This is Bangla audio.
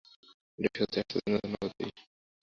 এটা সত্যিই আশ্চর্যজনক - ধন্যবাদ - এই?